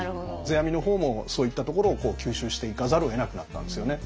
世阿弥の方もそういったところを吸収していかざるをえなくなったんですよね。